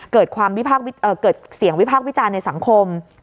เกิดเสี่ยงวิภาควิจารณ์ในสังคม